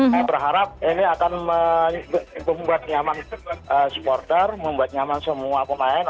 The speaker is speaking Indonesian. saya berharap ini akan membuat nyaman supporter membuat nyaman semua pemain